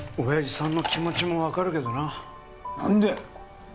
親父さんの気持ちも分かるけどな何で！？